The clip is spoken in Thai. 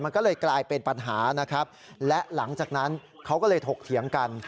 มันก็เลยกลายเป็นปัญหานะครับและหลังจากนั้นเขาก็เลยถกเถียงกัน